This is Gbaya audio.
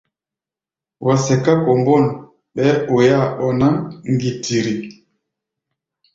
Wa sɛká kombôn, ɓɛɛ́ oi-áa ɓɔná ŋgitiri.